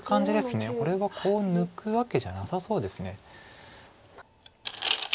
これはコウを抜くわけじゃなさそうです。